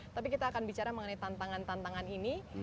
tapi kita akan bicara mengenai tantangan tantangan ini